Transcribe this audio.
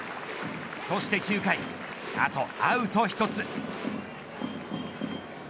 そして９回あとアウト１つ。